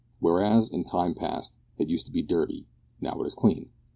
Whereas, in time past, it used to be dirty, now it is clean.